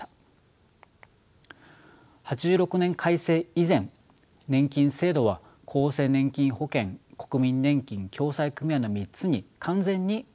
８６年改正以前年金制度は厚生年金保険国民年金共済組合の３つに完全に分立していました。